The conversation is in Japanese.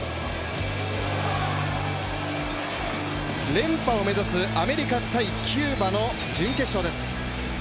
連覇を目指すアメリカ×キューバの準決勝です。